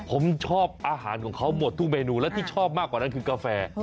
ผมชอบอาหารของเขาหมดทุกเมนูและที่ชอบมากกว่านั้นคือกาแฟ